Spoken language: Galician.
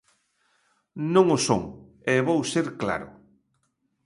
Non o son, e vou ser claro.